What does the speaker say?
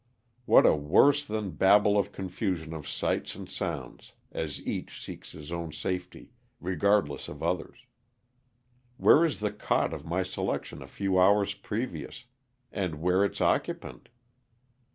What a worse than Babel of confusion of sights and sounds as each seeks his own safety, regardless of others. Where is the cot of my selection a few hours previous, and where its occupant?